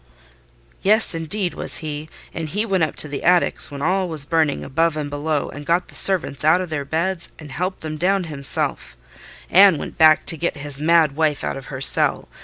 "Yes, indeed was he; and he went up to the attics when all was burning above and below, and got the servants out of their beds and helped them down himself, and went back to get his mad wife out of her cell.